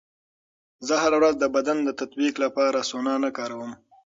زه هره ورځ د بدن د تطبیق لپاره سونا نه کاروم.